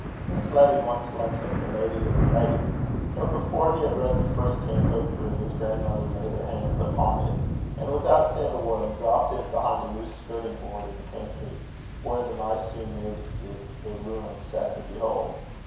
Miss Letty once lent him The Lady of the Lake; but before he had read the first canto through, his grandmother laid her hands upon it, and, without saying a word, dropped it behind a loose skirting board in the pantry, where the mice soon made it a ruin sad to behold.